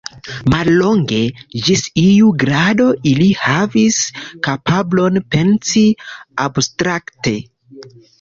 Mallonge, ĝis iu grado ili havis kapablon pensi abstrakte.